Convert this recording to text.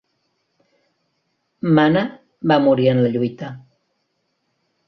Mana va morir en la lluita.